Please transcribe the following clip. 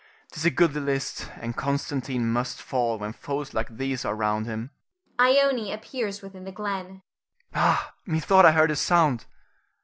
'Tis a goodly list and Constantine must fall when foes like these are round him. [Ione appears within the glen. Ha! methought I heard a sound!